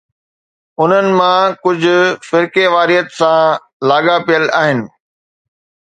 انهن مان ڪجهه فرقيواريت سان لاڳاپيل آهن.